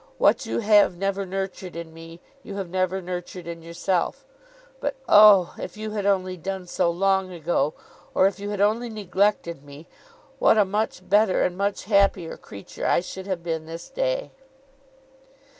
What you have never nurtured in me, you have never nurtured in yourself; but O! if you had only done so long ago, or if you had only neglected me, what a much better and much happier creature I should have been this day!